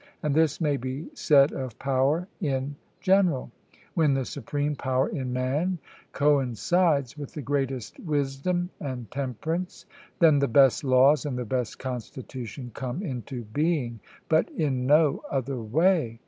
And this may be said of power in general: When the supreme power in man coincides with the greatest wisdom and temperance, then the best laws and the best constitution come into being; but in no other way.